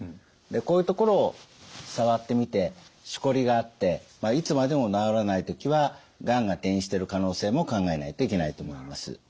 でこういうところを触ってみてしこりがあっていつまでも治らない時はがんが転移してる可能性も考えないといけないと思います。